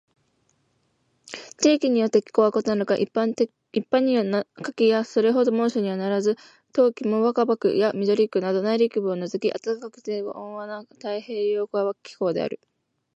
地域によって気候は異なるが、一般には夏季はそれほど猛暑にはならず、冬季も若葉区や緑区など内陸部を除き暖かくて温和な太平洋側気候である。